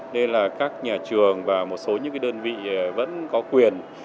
nên là các nhà trường và một số những đơn vị vẫn có quyền